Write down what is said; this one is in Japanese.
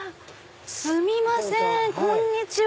すみませんこんにちは。